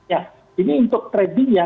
ya ini untuk trading ya